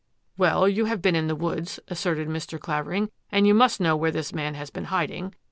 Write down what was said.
" Well, you have been in the woods," asserted Mr. Clavering, " and you must know where this man has been hiding.